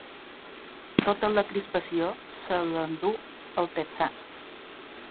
Tota la crispació se l'endú el texà.